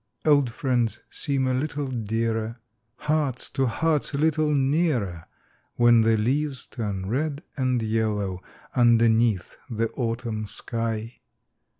d Old 'friends seem a little dearer; Hearts to Hearts a little nearer, ( ADhen the leases turn red and Ljello^ Underneath the Autumn shij.